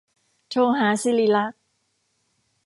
โทรหาศิริลักษณ์